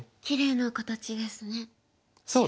きれいな形ですね白が。